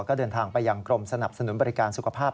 ก็เดินทางไปยังกรมสนับสนุนบริการสุขภาพ